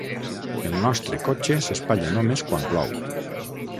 El nostre cotxe s'espatlla només quan plou.